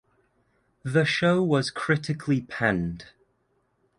The show was critically panned.